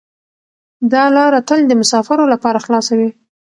دا لاره تل د مسافرو لپاره خلاصه وي.